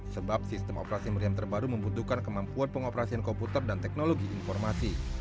sebab sistem operasi meriam terbaru membutuhkan kemampuan pengoperasian komputer dan teknologi informasi